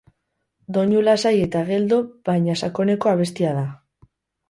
Doinu lasai eta geldo baina sakoneko abestia da.